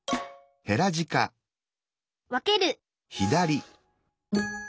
わける